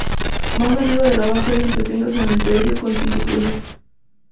Más arriba de la base hay un pequeño cementerio con cinco cruces.